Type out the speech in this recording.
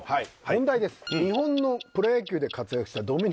問題です。